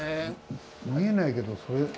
見えないけどそれ。